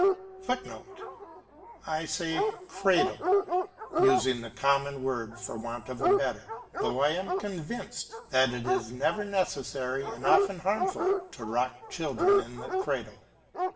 [Footnote: I say "cradle" using the common word for want of a better, though I am convinced that it is never necessary and often harmful to rock children in the cradle.